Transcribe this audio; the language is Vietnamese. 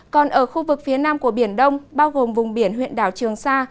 còn ở khu vực phía nam của biển đông bao gồm vùng biển huyện đảo trường sa